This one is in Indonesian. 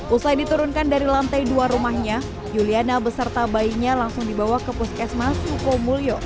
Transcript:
usai diturunkan dari lantai dua rumahnya yuliana beserta bayinya langsung dibawa ke puskesmas sukomulyo